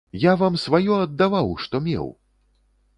Я вам сваё аддаваў, што меў!